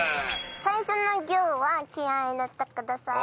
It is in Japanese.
最初のギュは気合入れてください。